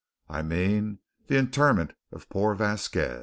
I mean the interment of poor Vasquez.